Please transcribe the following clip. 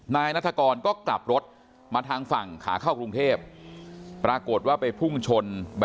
นายนัฐกรก็กลับรถมาทางฝั่งขาเข้ากรุงเทพปรากฏว่าไปพุ่งชน